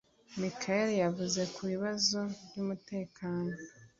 Michaëlle yavuze ku bibazo by’umutekano